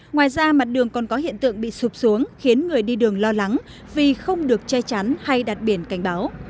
ngoài ra mặt đường còn có hiện tượng bị sụp xuống khiến người đi đường lo lắng vì không được che chắn hay đặt biển cảnh báo